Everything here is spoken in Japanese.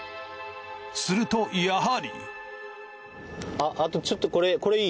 するとやはり。